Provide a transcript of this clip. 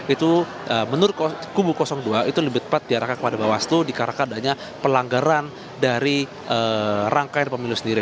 itu menurut kubu dua itu lebih tepat diarahkan kepada bawaslu dikarenakan adanya pelanggaran dari rangkaian pemilu sendiri